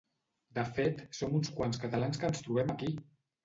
De fet, som uns quants catalans que ens trobem aquí!